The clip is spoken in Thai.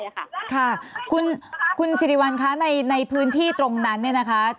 ค่ะคุณสิริวัลคะในพื้นที่ตรงนั้นเนี่ยนะคะ